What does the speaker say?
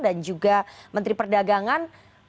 dan juga menteri perdagangan